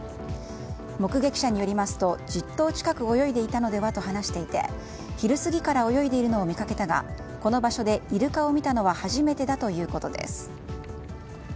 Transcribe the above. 目撃者によりますと１０頭近く泳いでいたのではと話していて昼過ぎから泳いでいるのを見かけたが、この場所でイルカを見たのは初めてだということです。